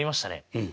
うん。